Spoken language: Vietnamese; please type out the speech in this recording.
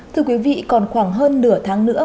thưa quý vị còn khoảng hơn nửa tháng nữa